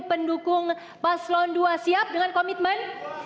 pendukung paslon dua siap dengan komitmen